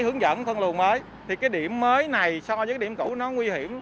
hướng dẫn thân lùn mới thì cái điểm mới này so với cái điểm cũ nó nguy hiểm